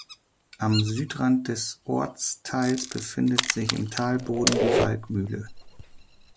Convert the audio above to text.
Am Südrand des Ortsteils befindet sich im Talboden die Walkmühle.